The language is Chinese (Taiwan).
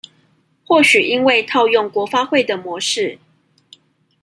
或許因為套用國發會的模式